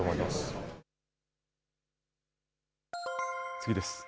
次です。